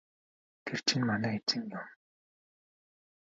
Тэр чинь манай эзэн юм.